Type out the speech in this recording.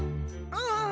ああ。